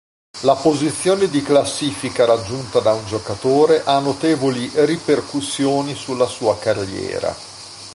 La posizione di classifica raggiunta da un giocatore ha notevoli ripercussioni sulla sua carriera.